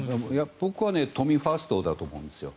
僕は都民ファーストだと思うんですよ。